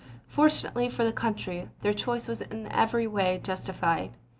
Fortunately for the country, their choice was in every way jus tified.